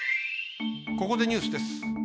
ここでニュースです。